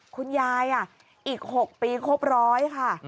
คุณยายอีก๖ปีครบร้อยค่ะ